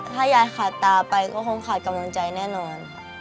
ถ้ายายขาดตาไปก็คงขาดกำลังใจแน่นอน